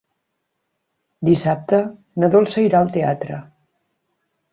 Dissabte na Dolça irà al teatre.